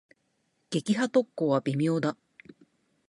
撃破特攻は微妙だ。